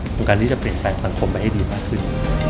การที่จะเปลี่ยนแปลงสังคมไปให้ดีมากขึ้น